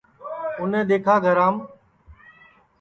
اُنیں دؔیکھا گھرام